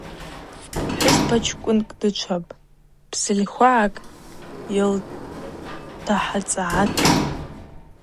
Пхӏвыспа чкӏвынкӏ дычвапӏ, бзытлхвагӏакӏ, йылтахӏацагӏата.